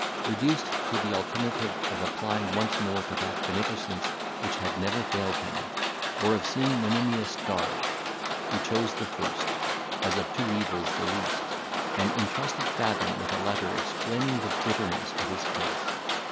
Reduced to the alternative of applying once more to that beneficence which had never failed him, or of seeing Monimia starve, he chose the first, as of two evils the least, and intrusted Fathom with a letter explaining the bitterness of his case.